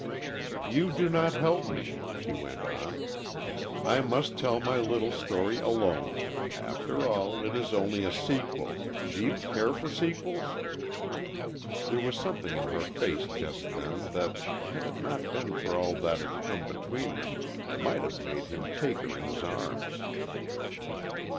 "You do not help me," she went on. "I must tell my little story alone. After all, it is only a sequel do you care for sequels?" There was something in her face just then that, had it not been for all that had come between them, might have made him take her in his arms.